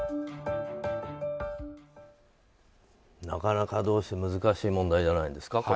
なかなかどうして難しい問題じゃないですか。